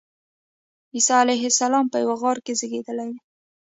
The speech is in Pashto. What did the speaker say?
عیسی علیه السلام په یوه غار کې زېږېدلی دی.